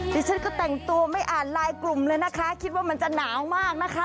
ดิฉันก็แต่งตัวไม่อ่านไลน์กลุ่มเลยนะคะคิดว่ามันจะหนาวมากนะคะ